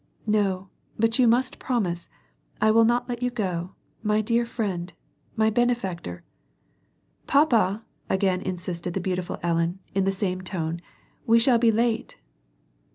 " No, but you must promise, I will not let you go, my dear friend, my benefactor,^ — ''Papa,'^ again insisted the beautiful Ellen, in the same tone, "we shall be late."